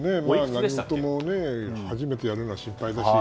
何事も初めてやるのは心配ですよ。